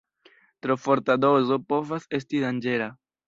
Tro forta dozo povas esti danĝera.